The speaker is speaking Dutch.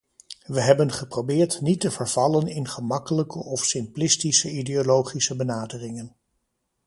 Wij hebben geprobeerd niet te vervallen in gemakkelijke of simplistische ideologische benaderingen.